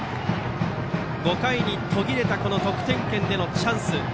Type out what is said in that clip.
５回に途切れた得点圏でのチャンス。